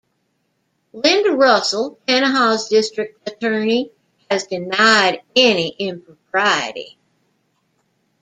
Lynda Russell, Tenaha's district attorney, has denied any impropriety.